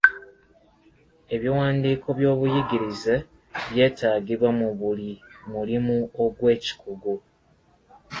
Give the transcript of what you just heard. Ebiwandiiko by'obuyigirize byetaagibwa mu buli mulimu ogw'ekikugu.